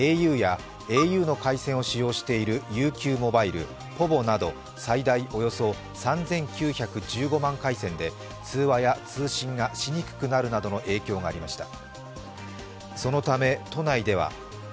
ａｕやａｕの回線を使用しているＵＱｍｏｂｉｌｅ、ｐｏｖｏなど最大およそ３９１５万回線で通話や通信がしにくくなるなどの影響がありました。